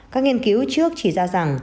các nghiên cứu trước chỉ ra rằng